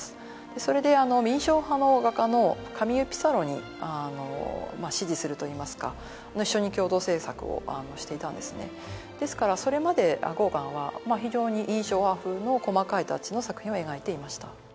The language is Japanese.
それで印象派の画家のカミーユ・ピサロに師事するといいますか一緒に共同制作をしていたんですねですからそれまでゴーガンは非常に印象派風の細かいタッチの作品を描いていました